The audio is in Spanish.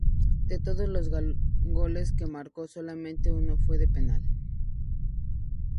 De todos los goles que marcó solamente uno fue de penal.